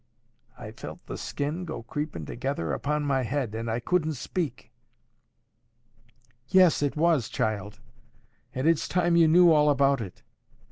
I felt the skin go creepin' together upon my head, and I couldn't speak. 'Yes, it was, child; and it's time you knew all about it.